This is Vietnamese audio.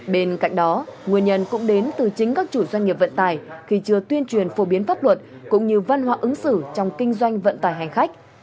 bên cạnh đó nguyên nhân cũng đến từ chính các chủ doanh nghiệp vận tải khi chưa tuyên truyền phổ biến pháp luật cũng như văn hóa ứng xử trong kinh doanh vận tải hành khách